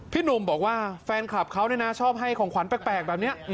หนุ่มบอกว่าแฟนคลับเขาเนี่ยนะชอบให้ของขวัญแปลกแบบนี้